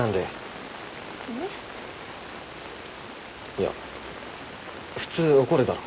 いや普通怒るだろ。